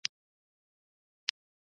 آزاد تجارت مهم دی ځکه چې تولید زیاتوي.